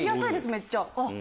めっちゃ。